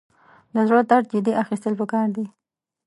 د زړه درد جدي اخیستل پکار دي.